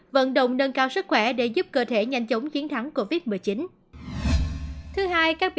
vận động nâng cao sức khỏe để giúp cơ thể nhanh chóng chiến thắng covid một mươi chín